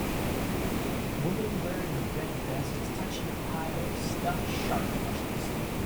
Woman wearing a red vest is touching a pile of stuffed shark plushies.